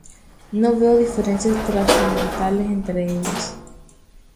No veo diferencias trascendentales entre ellos".